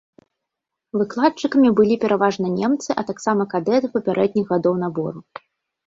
Выкладчыкамі былі пераважна немцы, а таксама кадэты папярэдніх гадоў набору.